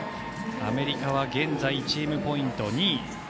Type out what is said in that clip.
アメリカは現在チームポイント２位。